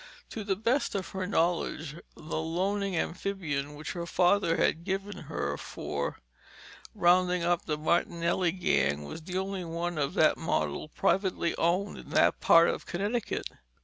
To the best of her knowledge the Loening Amphibian which her father had given her for rounding up the Martinelli gang was the only one of that model privately owned in that part of Connecticut.